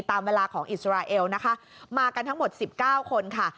ตามเวลาของอิสราเอลนะคะมากันทั้งหมด๑๙คนค่ะ